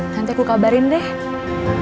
nanti aku kabarin deh